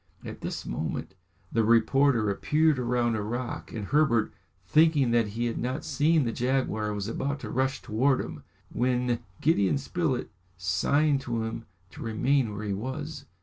At this moment the reporter appeared round a rock, and Herbert, thinking that he had not seen the jaguar, was about to rush towards him, when Gideon Spilett signed to him to remain where he was.